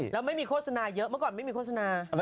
แล้วไม่มีโฆษณาเยอะเมื่อก่อนไม่มีโฆษณา